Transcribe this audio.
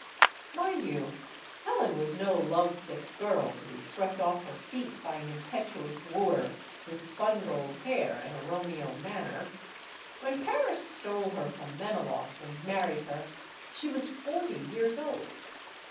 Mind you, Helen was no lovesick girl to be swept off her feet by an impetuous wooer with spun gold hair and a Romeo manner. When Paris stole her from Menelaus and married her, she was forty years old.